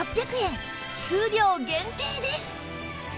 数量限定です